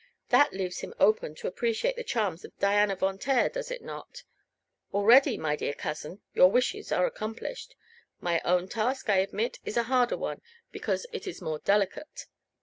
That leaves him open to appreciate the charms of Diana Von Taer, does it not? Already, my dear cousin, your wishes are accomplished. My own task, I admit, is a harder one, because it is more delicate."